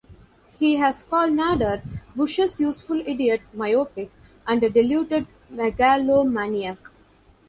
He has called Nader "Bush's Useful Idiot," myopic, and a deluded megalomaniac.